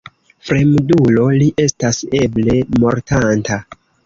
Fremdulo, li estas eble mortanta.